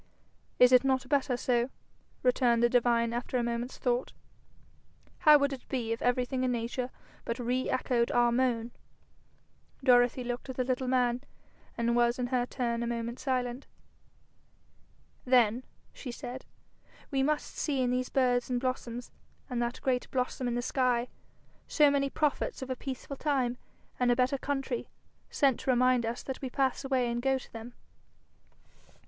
'Is it not better so?' returned the divine after a moment's thought. 'How would it be if everything in nature but re echoed our moan?' Dorothy looked at the little man, and was in her turn a moment silent. 'Then,' she said, 'we must see in these birds and blossoms, and that great blossom in the sky, so many prophets of a peaceful time and a better country, sent to remind us that we pass away and go to them.'